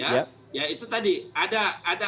ya itu tadi ada